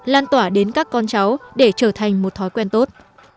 lan tỏa đến các con cháu để trở thành một thói quen tốt